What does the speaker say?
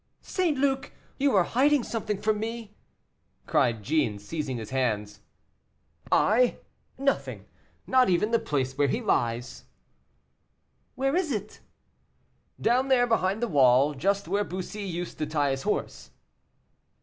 "St. Luc, you are hiding something from me!" cried Jeanne, seizing his hands. "I! Nothing; not even the place where he lies." "Where is it?" "Down there behind the wall; just where Bussy used to tie his horse."